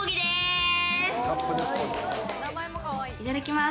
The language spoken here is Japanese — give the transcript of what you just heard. いただきます。